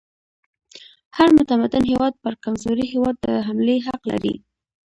هر متمدن هیواد پر کمزوري هیواد د حملې حق لري.